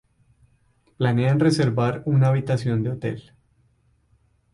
Planean reservar una habitación de hotel.